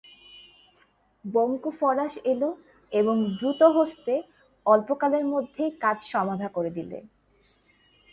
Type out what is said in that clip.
বঙ্কু ফরাশ এল, এবং দ্রুতহস্তে অল্পকালের মধ্যেই কাজ সমাধা করে দিলে।